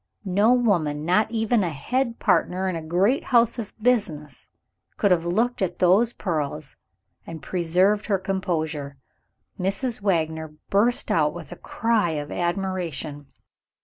No woman not even a head partner in a great house of business could have looked at those pearls, and preserved her composure. Mrs. Wagner burst out with a cry of admiration.